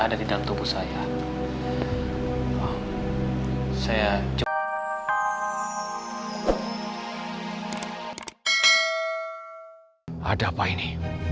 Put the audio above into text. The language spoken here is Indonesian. ada apa ini